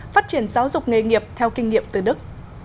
phát triển giáo dục nghề nghiệp theo kinh nghiệm từ đức